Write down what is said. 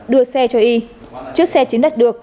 đưa xe cho y chiếc xe chiếm đặt được